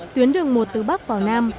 tuyến đường một từ bắc vào nam